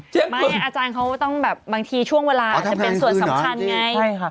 ไม่อาจารย์เขาต้องแบบบางทีช่วงเวลาอาจจะเป็นส่วนสำคัญไง